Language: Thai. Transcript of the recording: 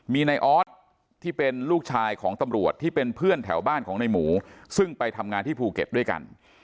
มีในออสที่เป็นลูกชายของตำรวจที่เป็นเพื่อนแถวบ้านของในหมูซึ่งไปทำงานที่ภูเก็ตด้วยกัน